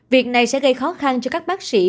việc này sẽ gây khó khăn cho các bác sĩ